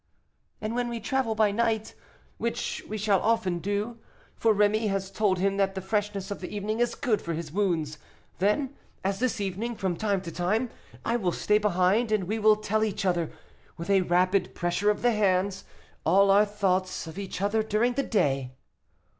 "And when we travel by night, which we shall often do, for Rémy has told him that the freshness of the evening is good for his wounds, then, as this evening, from time to time, I will stay behind, and we will tell each other, with a rapid pressure of the hands, all our thoughts of each other during the day."